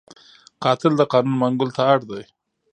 قاتل د قانون منګولو ته اړ دی